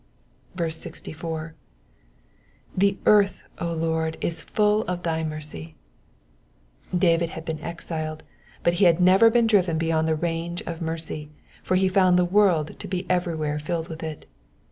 64. ^^The earthy Lord, is, full of thy mercy ^ David had been exiled, but he had never been driven beyond the range of mercy, for he found the world to be everywhere filled with it.